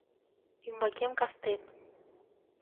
Ӱмбакем кастен...